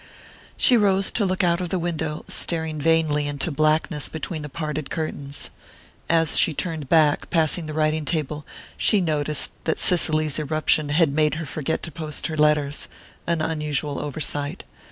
She rose to look out of the window, staring vainly into blackness between the parted curtains. As she turned back, passing the writing table, she noticed that Cicely's irruption had made her forget to post her letters an unusual oversight.